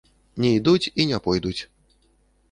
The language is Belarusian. Не ідуць і не пойдуць.